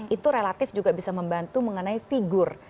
itu relatif juga bisa membantu mengenai figur